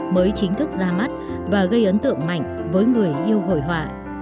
mới chính thức ra mắt và gây ấn tượng mạnh với người yêu hội họa